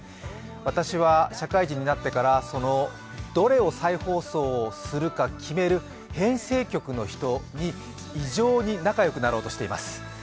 私は社会人になってからそのどれを再放送をするか決める編成局の人に異常に仲良くなろうとしています。